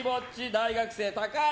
大学生高橋。